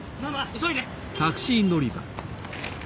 急いで！